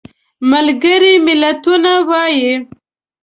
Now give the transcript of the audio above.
ملګري ملتونه وایي.